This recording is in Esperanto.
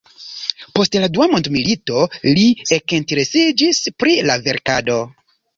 Post la dua mondmilito li ekinteresiĝis pri la verkado.